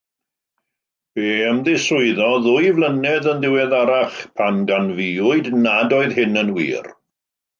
Fe ymddiswyddodd ddwy flynedd yn ddiweddarach, pan ganfuwyd nad oedd hyn yn wir.